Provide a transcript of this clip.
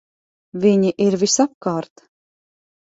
Viņi ir visapkārt!